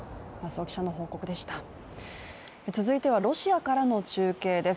続いては、ロシアからの中継です。